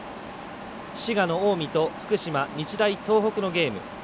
滋賀の近江と福島日大東北のゲーム。